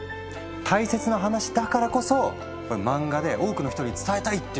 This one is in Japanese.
大切な話だからこそ漫画で多くの人に伝えたいっていう。